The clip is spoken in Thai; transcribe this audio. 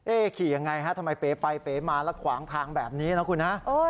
ขี่ยังไงฮะทำไมเป๋ไปเป๋มาแล้วขวางทางแบบนี้นะคุณฮะ